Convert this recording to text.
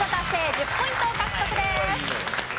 １０ポイント獲得です。